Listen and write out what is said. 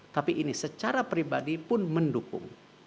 tapi ini secara pribadi pun mendukung